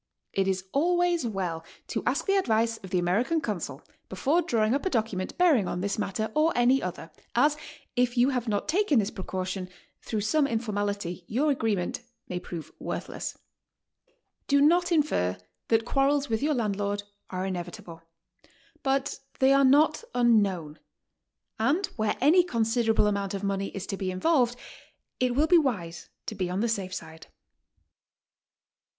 It is always well to ask the advice of the American consul before drawing up a document bearing on this matter or any other, as, if you have not taken this pre caution, through some informality your agreement may prove worthless. D.o not infer that quarrels with your landlord are inevitable; but they are not unknown, and where any considerable amount of money is to be involved, it will be wise to be on the safe side.